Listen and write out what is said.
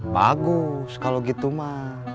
bagus kalau gitu mak